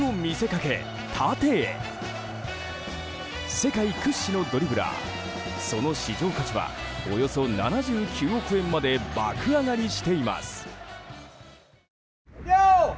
世界屈指のドリブラーその市場価値はおよそ７９億円まで爆上がりしています。